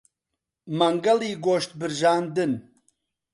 مەنگەڵی گۆشت برژاندن